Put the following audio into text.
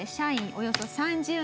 およそ３０人